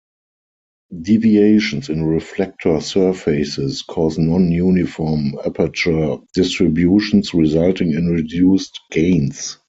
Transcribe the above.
Deviations in reflector surfaces cause non-uniform aperture distributions, resulting in reduced gains.